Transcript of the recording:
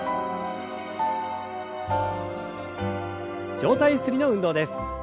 上体ゆすりの運動です。